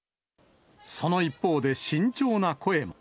その一方で、慎重な声も。